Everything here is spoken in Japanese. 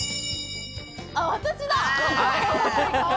あっ私だ！